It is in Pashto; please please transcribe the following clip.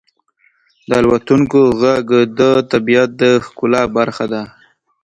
• د الوتونکو ږغ د طبیعت د ښکلا برخه ده.